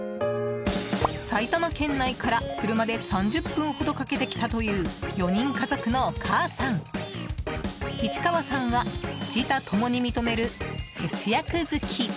埼玉県内から車で３０分ほどかけて来たという４人家族のお母さん、市川さんは自他ともに認める節約好き。